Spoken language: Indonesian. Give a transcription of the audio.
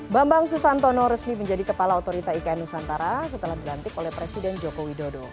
bambang susantono resmi menjadi kepala otorita ikn nusantara setelah dilantik oleh presiden joko widodo